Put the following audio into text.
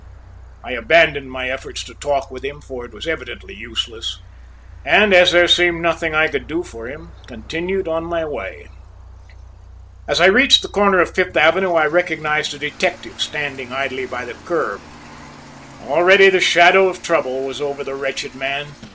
I abandoned my efforts to talk with him, for it was evidently useless, and as there seemed nothing I could do for him, continued on my way. As I reached the corner of Fifth Avenue, I recognized a detective standing idly by the curb. Already the shadow of trouble was over the wretched man.